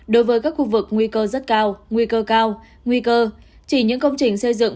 đối với các khu vực nguy cơ rất cao nguy cơ cao nguy cơ chỉ những công trình xây dựng